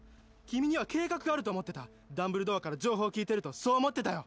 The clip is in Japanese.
君には計画があると思ってたダンブルドアから情報を聞いてるとそう思ってたよ！